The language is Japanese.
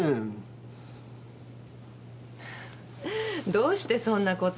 どうしてそんなことを。